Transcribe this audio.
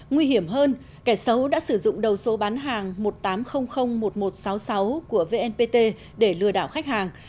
nguy hiểm hơn kẻ xấu đã sử dụng đầu số bán hàng một tám không không một một sáu sáu của vnpt để lừa đảo khách hàng